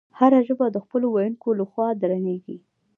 هره ژبه د خپلو ویونکو له خوا درنیږي.